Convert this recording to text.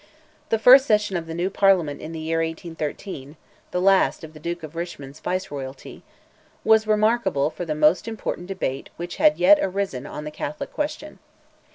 The first session of the new Parliament in the year 1813—the last of the Duke of Richmond's Viceroyalty—was remarkable for the most important debate which had yet arisen on the Catholic question.